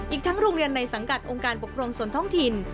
อีกทั้งโรงเรียนในสังกัดองค์การปกครองส่วนท้องถิ่น